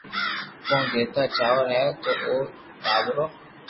ڪو جيتا چاور ھي تو او ٽاٻرو